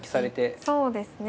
そうですね。